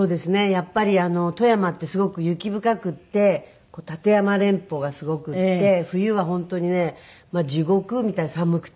やっぱり富山ってすごく雪深くって立山連峰がすごくって冬は本当にね地獄みたいに寒くて。